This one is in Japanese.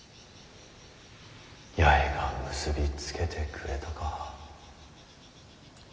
八重が結び付けてくれたか。